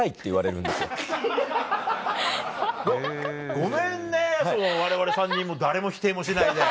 ごめんねわれわれ３人も誰も否定もしないで。